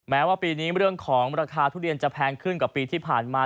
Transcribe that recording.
แม้ว่าปีนี้เรื่องของราคาทุเรียนจะแพงขึ้นกว่าปีที่ผ่านมา